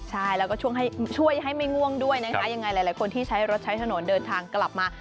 ใช่แล้วก็ช่วยให้ไม่ง่วงด้วยนะคะยังไงหลายคนที่ใช้รถใช้ถนนเดินทางกลับมา